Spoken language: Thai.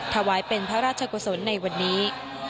ถวายเป็นพระราชกุศลในวันนี้